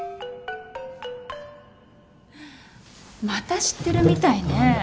また知ってるみたいね。